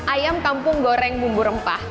ayam kampung goreng bumbu rempah